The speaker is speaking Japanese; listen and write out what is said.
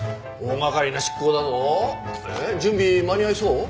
準備間に合いそう？